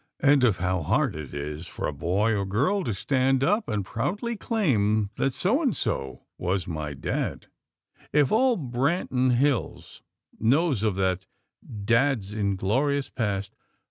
And of how hard it is for a boy or girl to stand up and proudly (?) claim that so and so 'was my Dad,' if all Branton Hills knows of that Dad's inglorious past.